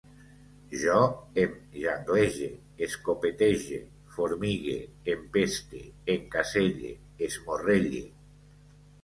Jo em janglege, escopetege, formigue, empeste, encaselle, esmorrelle